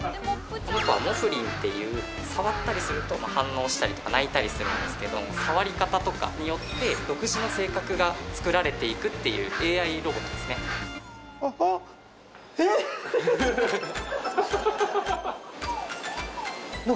この子はＭｏｆｌｉｎっていう触ったりすると反応したりとか鳴いたりするんですけど触り方とかによって独自の性格が作られていくっていうＡＩロボットですねなんか